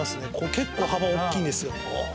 結構幅おっきいんですよ。